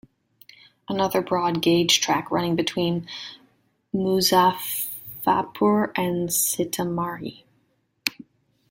Another broad gauge track, running between Muzaffarpur and Sitamarhi.